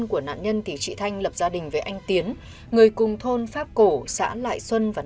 của điện thoại gọi giao gà bí ẩn